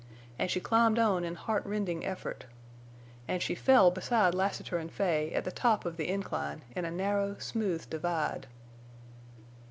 And she climbed on in heartrending effort. And she fell beside Lassiter and Fay at the top of the incline in a narrow, smooth divide.